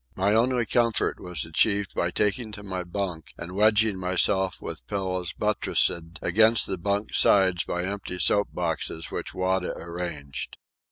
My only comfort was achieved by taking to my bunk and wedging myself with pillows buttressed against the bunk's sides by empty soap boxes which Wada arranged.